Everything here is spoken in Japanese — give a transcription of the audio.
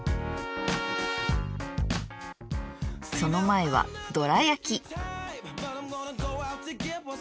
その前はドラ焼き。